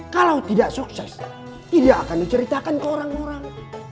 kalau tidak sukses tidak akan diceritakan ke orang orang